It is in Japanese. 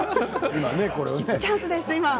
今、チャンスです。